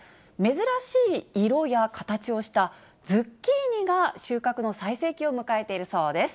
珍しい色や形をしたズッキーニが収穫の最盛期を迎えているそうです。